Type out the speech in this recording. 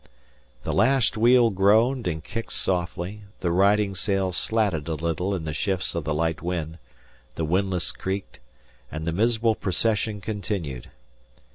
The lashed wheel groaned and kicked softly, the riding sail slatted a little in the shifts of the light wind, the windlass creaked, and the miserable procession continued.